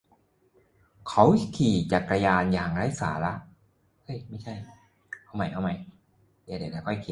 เขาขี่จักรยานเร็วอย่างไร้สาระ